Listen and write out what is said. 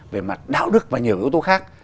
về mặt đạo đức và nhiều yếu tố khác